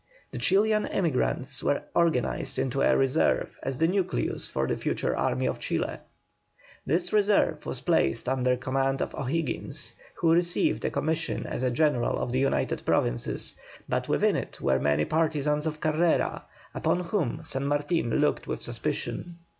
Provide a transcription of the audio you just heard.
The Chilian emigrants were organized into a reserve as the nucleus for the future army of Chile. This reserve was placed under command of O'Higgins, who received a commission as a General of the United Provinces, but within it were many partizans of Carrera, upon whom San Martin looked with suspicion.